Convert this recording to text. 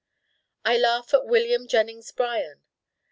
I Laugh at William Jennings Bryan.